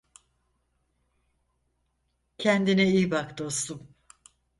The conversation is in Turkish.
Kendine iyi bak dostum.